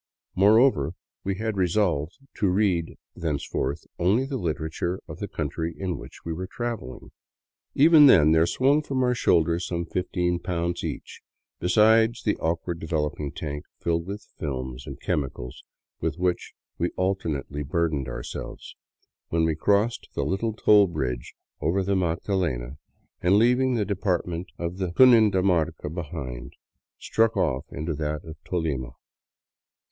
Moreover, we had resolved to read thenceforth only the literature of the country in which we were traveling. Even then there swung from our shoulders some fifteen pounds each, besides the awkward developing tank filled with films and chemicals with which we alternately burdened ourselves, when we crossed the little toll bridge over the Magdalena and, leaving the de partment of Cundinamarca behind, struck off into that of Tolima.